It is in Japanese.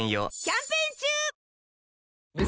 キャンペーン中！